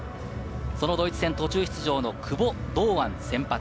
そのドイツ戦、途中出場の久保、堂安先発。